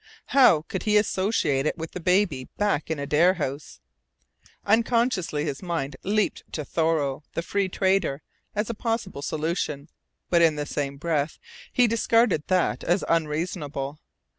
How could he associate it with the baby back in Adare House? Unconsciously his mind leaped to Thoreau, the Free Trader, as a possible solution, but in the same breath he discarded that as unreasonable.